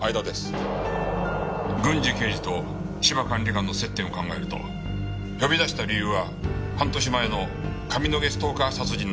郡侍刑事と芝管理官の接点を考えると呼び出した理由は半年前の上野毛ストーカー殺人の可能性が高く。